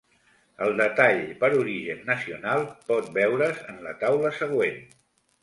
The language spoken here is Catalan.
El detall per origen nacional pot veure's en la taula següent.